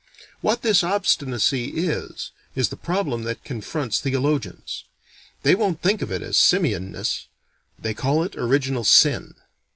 What this obstinacy is, is the problem that confronts theologians. They won't think of it as simian ness; they call it original sin.